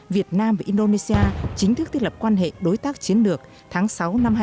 việt nam và indonesia chính thức thiết lập quan hệ đối tác chiến lược tháng sáu năm hai nghìn hai mươi ba